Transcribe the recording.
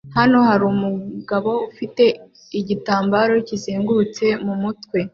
Hano harumugabo ufite igitambaro kizengurutse mumutwe